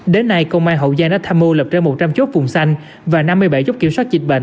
đến nay công an hậu gia đã tham mưu lập ra một trăm linh chốt vùng xanh và năm mươi bảy chốt kiểm soát dịch bệnh